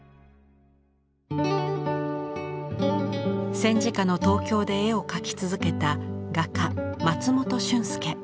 戦時下の東京で絵を描き続けた画家松本竣介。